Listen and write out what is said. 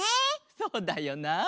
そうだよな。